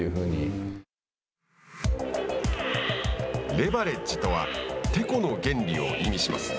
レバレッジとはてこの原理を意味します。